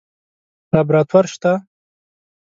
لابراتوار شته؟